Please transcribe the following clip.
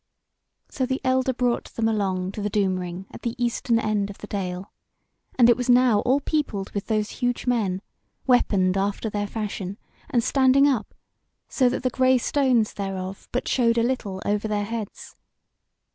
So the elder brought them along to the Doom ring at the eastern end of the Dale; and it was now all peopled with those huge men, weaponed after their fashion, and standing up, so that the grey stones thereof but showed a little over their heads.